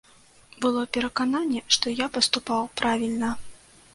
Было перакананне, што я паступаў правільна.